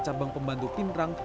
cabang pembantu pintrang